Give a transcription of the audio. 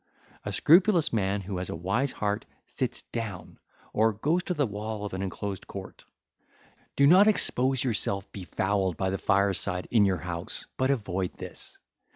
A scrupulous man who has a wise heart sits down or goes to the wall of an enclosed court. (ll. 733 736) Do not expose yourself befouled by the fireside in your house, but avoid this.